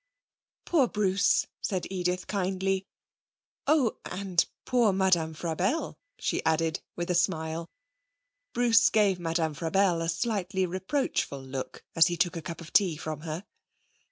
'Poor Bruce!' said Edith kindly. 'Oh, and poor Madame Frabelle,' she added, with a smile. Bruce gave Madame Frabelle a slightly reproachful look as he took a cup of tea from her.